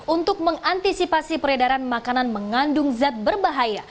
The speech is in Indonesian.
untuk mengantisipasi peredaran makanan mengandung zat berbahaya